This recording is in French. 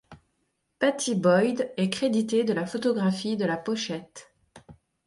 Pattie Boyd est créditée de la photographie de la pochette.